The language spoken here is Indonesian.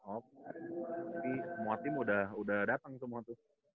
tapi semua tim udah datang semua tuh